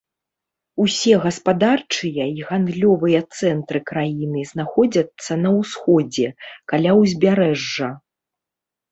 Усе гаспадарчыя і гандлёвыя цэнтры краіны знаходзяцца на ўсходзе, каля ўзбярэжжа.